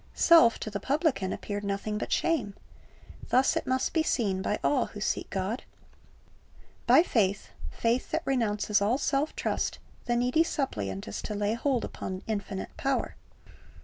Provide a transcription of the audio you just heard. Self to the publican appeared nothing but shame. Thus it must be seen by all who seek God. By faith — faith that renounces all self trust — the needy suppliant is to lay hold upon infinite power.